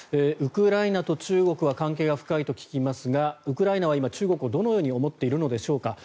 ウクライナと中国は関係が深いと聞きますがウクライナは今、中国をどのように思っているのでしょうか。